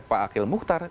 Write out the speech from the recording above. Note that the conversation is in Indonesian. pak akhil mukhtar